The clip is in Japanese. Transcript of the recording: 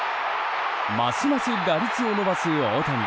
ますます打率を伸ばす大谷。